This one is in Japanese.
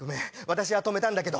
私は止めたんだけど。